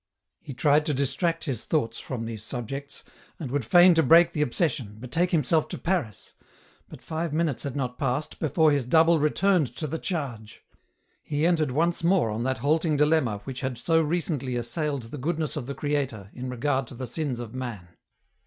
He tried to distract his thoughts from these subjects, and would feign to break the obsession, betake himself to Paris ; but five minutes had not passed before his double returned to the charge. He entered once more on that halting dilemma which had so recently assailed the goodness of the Creator in regard to the sins of man.